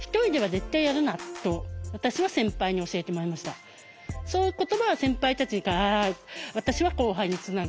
そういう言葉は先輩たちが私は後輩につなげないといけないし。